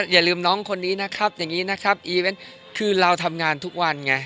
อย่าลืมน้องคนนี้นะครับอย่างนี้นะครับอีเวนต์คือเราทำงานทุกวันไง